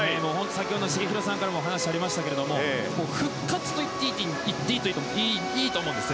先ほど繁浩さんからもお話がありましたが復活と言っていいと思うんです。